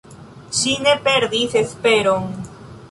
Ŝi ne perdis esperon.